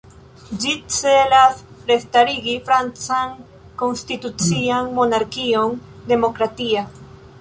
Ĝi celas restarigi francan konstitucian monarkion "demokratia".